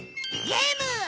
ゲーム！